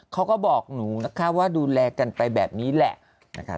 เขาก็บอกหนูนะคะว่าดูแลกันไปแบบนี้แหละนะคะ